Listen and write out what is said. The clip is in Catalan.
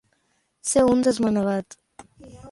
Ser un desmanegat.